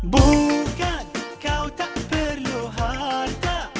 bukan kau tak perlu harta